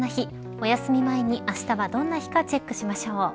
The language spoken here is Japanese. おやすみ前にあしたはどんな日かチェックしましょう。